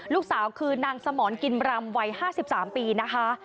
ลูกสาวคือนางสมรกินรำวัย๕๓ปีนะคะ